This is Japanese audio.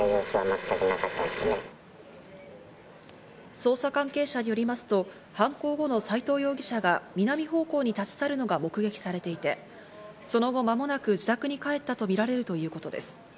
捜査関係者によりますと犯行後の斎藤容疑者が南方向に立ち去るのが目撃されていて、その後まもなく自宅に帰ったとみられるということです。